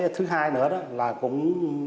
thứ hai nữa là cũng